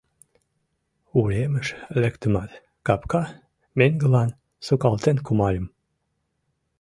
Уремыш лектымат, капка меҥгылан сукалтен кумальым: